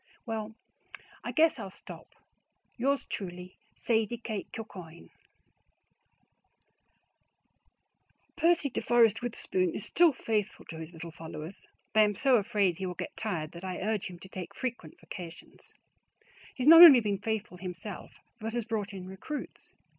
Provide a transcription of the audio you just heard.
Well I guess Ill stop. Yours truly, SADIE KATE KILCOYNE. Percy de Forest Witherspoon is still faithful to his little followers, though I am so afraid he will get tired that I urge him to take frequent vacations. He has not only been faithful himself, but has brought in recruits.